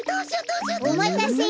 おまたせ。